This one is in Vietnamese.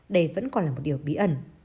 đây vẫn còn là một điều bí ẩn